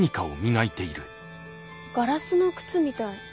ガラスの靴みたい。